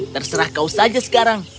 terserah kau saja sekarang